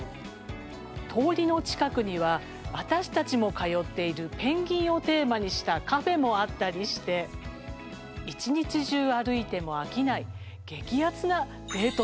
通りの近くには私たちも通っているペンギンをテーマにしたカフェもあったりして一日中歩いても飽きない激アツなデート